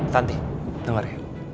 tanti denger ya